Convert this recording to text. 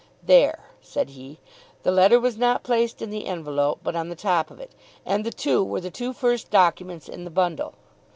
"There," said he, "the letter was not placed in the envelope but on the top of it, and the two were the two first documents in the bundle."